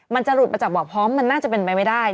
มันจะหลุดมาจากบ่อพร้อมมันน่าจะเป็นไปไม่ได้